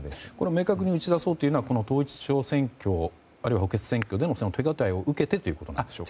明確に打ち出そうというのは、統一地方選挙あるいは補欠選挙でも手応えを受けてですか？